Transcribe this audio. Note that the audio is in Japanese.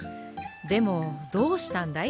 でもどうしたんだい？